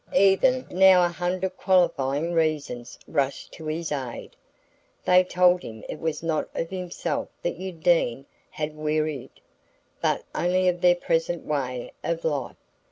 Even now a hundred qualifying reasons rushed to his aid. They told him it was not of himself that Undine had wearied, but only of their present way of life.